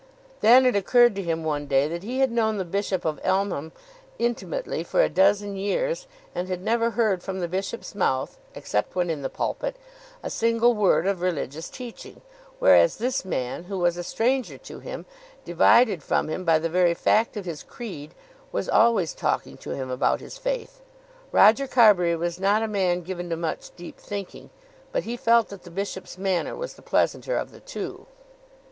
Then it occurred to him one day that he had known the Bishop of Elmham intimately for a dozen years, and had never heard from the bishop's mouth, except when in the pulpit, a single word of religious teaching; whereas this man, who was a stranger to him, divided from him by the very fact of his creed, was always talking to him about his faith. Roger Carbury was not a man given to much deep thinking, but he felt that the bishop's manner was the pleasanter of the two.